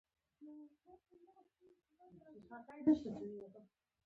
د زنجبیل غوړي د درد لپاره وکاروئ